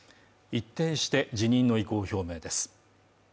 一転して辞任の意向を表明です